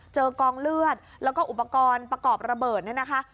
กองเลือดแล้วก็อุปกรณ์ประกอบระเบิดเนี่ยนะคะ